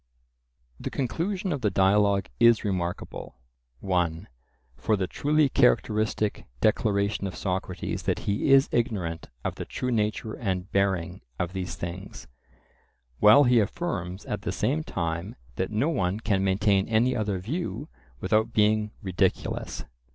The conclusion of the Dialogue is remarkable, (1) for the truly characteristic declaration of Socrates that he is ignorant of the true nature and bearing of these things, while he affirms at the same time that no one can maintain any other view without being ridiculous.